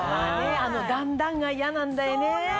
あの段々が嫌なんだよね。